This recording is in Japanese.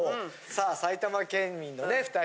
さあ埼玉県民のね２人。